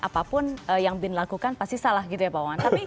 apapun yang bin lakukan pasti salah gitu ya pak wawan